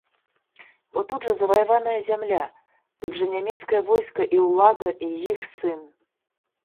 Бо тут жа заваяваная зямля, тут жа нямецкае войска і ўлада, і іх сын!